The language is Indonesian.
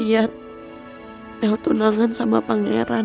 dan liat mel tunangan sama pangeran